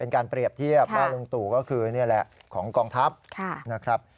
เป็นการเปรียบเทียบบ้านลุงตูก็คือนี่แหละของกองทัพ